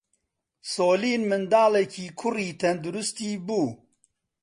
سۆلین منداڵێکی کوڕی تەندروستی بوو.